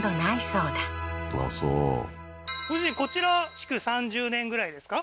そうご主人こちら築３０年ぐらいですか？